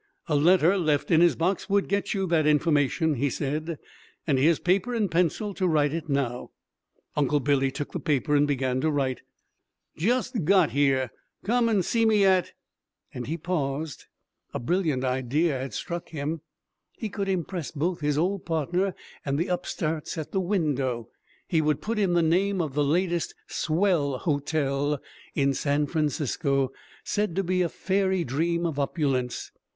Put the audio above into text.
"A letter left in his box would get you that information," he said, "and here's paper and pencil to write it now." Uncle Billy took the paper and began to write, "Just got here. Come and see me at" He paused. A brilliant idea had struck him; he could impress both his old partner and the upstarts at the window; he would put in the name of the latest "swell" hotel in San Francisco, said to be a fairy dream of opulence.